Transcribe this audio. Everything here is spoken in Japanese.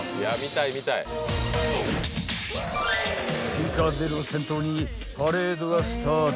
［ティンカーベルを先頭にパレードがスタート！］